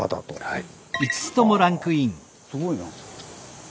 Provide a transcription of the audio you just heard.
はい。